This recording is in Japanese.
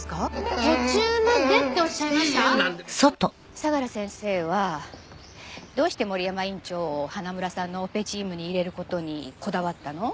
相良先生はどうして森山院長を花村さんのオペチームに入れる事にこだわったの？